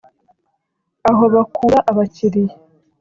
aho bakura abakiriya